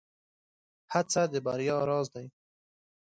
هڅه د بريا راز دی.